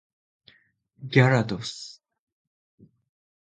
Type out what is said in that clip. ギャラドス